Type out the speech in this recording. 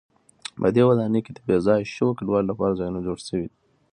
په دې ودانۍ کې د بې ځایه شویو کډوالو لپاره ځایونه جوړ شوي و.